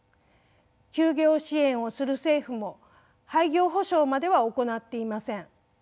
休業支援をする政府も廃業補償までは行っていません。